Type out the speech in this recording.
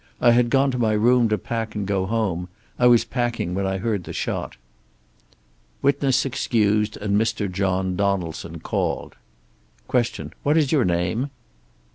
I had gone to my room to pack and go home. I was packing when I heard the shot." Witness excused and Mr. John Donaldson called. Q. "What is your name?"